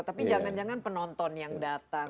tapi jangan jangan penonton yang datang